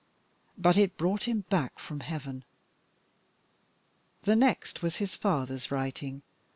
But it brought him back from heaven. The next was his father's writing.